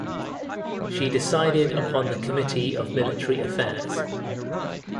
She decided upon the committee of military affairs.